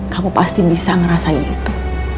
kamu pasti bisa ngerasain itu